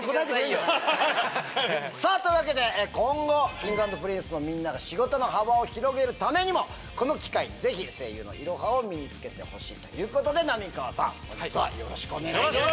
さぁというわけで今後Ｋｉｎｇ＆Ｐｒｉｎｃｅのみんなが仕事の幅を広げるためにもこの機会にぜひ声優のイロハを身に付けてほしいということで浪川さんよろしくお願いします。